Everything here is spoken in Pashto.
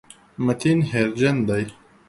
متین هېرجن دی.